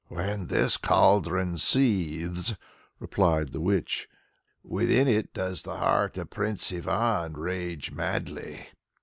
"When this cauldron seethes," replies the witch, "within it does the heart of Prince Ivan rage madly."